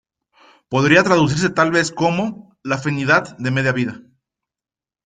Podría traducirse tal vez como "La afinidad de media vida".